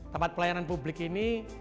tempat pelayanan publik ini